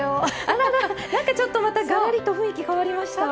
あららなんかちょっとまたがらりと雰囲気変わりました。